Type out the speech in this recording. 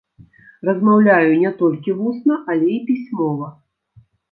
Размаўляю не толькі вусна, але і пісьмова.